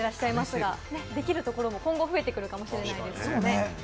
できることも今後、増えてくるかもしれないですね。